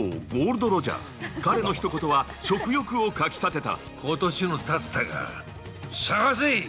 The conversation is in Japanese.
彼のひと言は食欲をかき立てた。